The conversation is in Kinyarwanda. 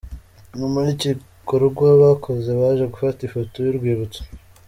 Nyuma y'igikorwa bakoze, baje gufata ifoto y'urwibutso.